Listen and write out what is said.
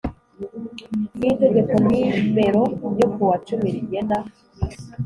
n Itegeko nimero ryo kuwa cumi rigena